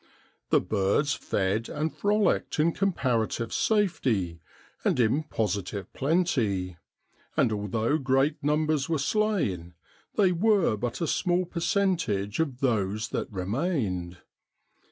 The birds fed and frolicked in comparative safety, and in positive plenty; and although great numbers were slain, they were but a small percentage of those that remained.